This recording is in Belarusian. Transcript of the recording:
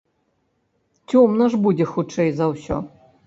Цёмна ж будзе хутчэй за ўсё.